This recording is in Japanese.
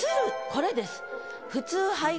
これです。